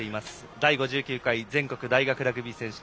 第５９回全国大学ラグビー選手権。